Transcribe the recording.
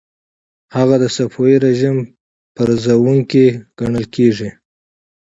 هغه د صفوي رژیم پرزوونکی ګڼل کیږي.